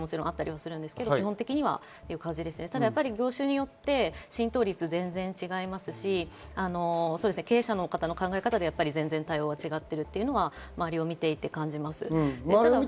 どうしてもという場合はありますけど、業種によって浸透率は全然違いますし、経営者の方の考え方で全然、対応は違っているっていうのは周りを見ていて感じます。